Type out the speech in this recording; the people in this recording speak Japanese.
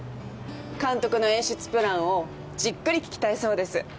監督の演出プランをじっくり聞きたいそうです。